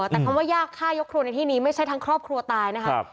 แต่คำว่ายากฆ่ายกครัวในที่นี้ไม่ใช่ทั้งครอบครัวตายนะครับ